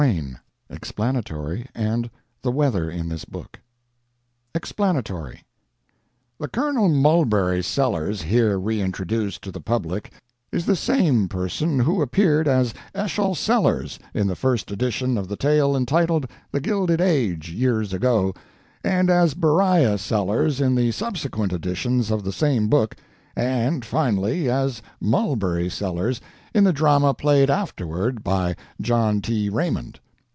"Finally there was a quiet wedding at the Towers." EXPLANATORY The Colonel Mulberry Sellers here re introduced to the public is the same person who appeared as Eschol Sellers in the first edition of the tale entitled "The Gilded Age," years ago, and as Beriah Sellers in the subsequent editions of the same book, and finally as Mulberry Sellers in the drama played afterward by John T. Raymond.